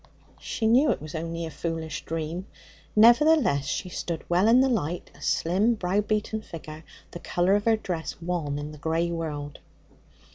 "' She knew it was only a foolish dream; nevertheless, she stood well in the light, a slim, brow beaten figure, the colour of her dress wan in the grey world.